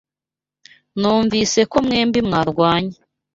Numvise ko mwembi mwarwanye.